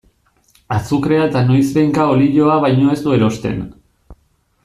Azukrea eta noizbehinka olioa baino ez du erosten.